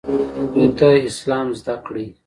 دوی ته اسلام زده کړئ